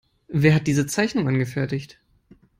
Wer hat diese Zeichnung angefertigt?